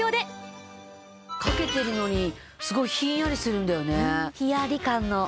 掛けてるのにすごいひんやりするんだよね。